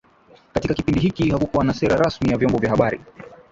Katika kipindi hiki hakukuwa na sera rasmi ya vyombo vya habari